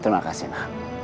terima kasih nak